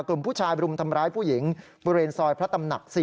กลุ่มผู้ชายบรุมทำร้ายผู้หญิงบริเวณซอยพระตำหนัก๔